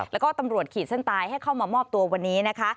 แล้วก็ตำรวจขีดเส้นตายให้เข้ามามอบตัววันนี้นะคะ